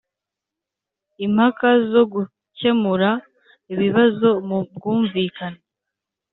impaka zo gukemura ibibazo mu bwumvikane